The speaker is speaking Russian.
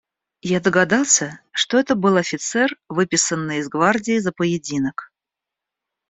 Я догадался, что это был офицер, выписанный из гвардии за поединок.